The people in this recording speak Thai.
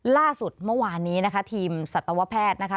ล่าสุดเมื่อวานนี้นะคะทีมสัตวแพทย์นะคะ